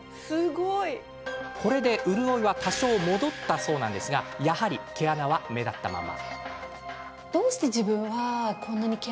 潤いは多少、戻ったそうですがやはり毛穴は目立ったまま。